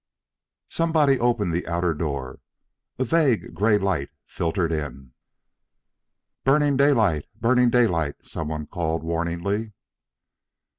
Somebody opened the outer door. A vague gray light filtered in. "Burning daylight, burning daylight," some one called warningly.